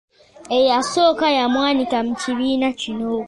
Eyasooka ye muwanika w'ekibiina kino.